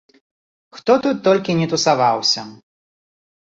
Хто тут толькі ні тусаваўся!